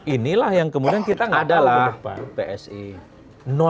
inilah yang kemudian kita nggak tahu ke depan